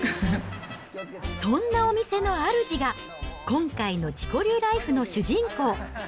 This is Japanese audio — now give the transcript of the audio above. そんなお店のあるじが、今回の自己流ライフの主人公。